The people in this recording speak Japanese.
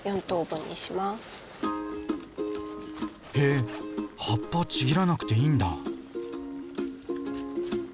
へえ葉っぱちぎらなくていいんだ！